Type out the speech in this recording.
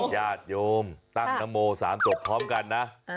ยาทยมตั้งนะโมสามจบพร้อมกันน่ะ